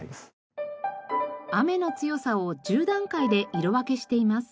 雨の強さを１０段階で色分けしています。